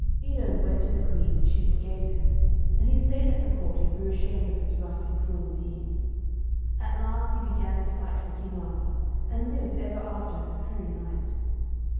Edyrn went to the Queen and she forgave him; and he stayed at the court and grew ashamed of his rough and cruel deeds. At last he began to fight for King Arthur, and lived ever after as a true knight.